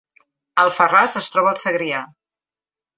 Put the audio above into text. Alfarràs es troba al Segrià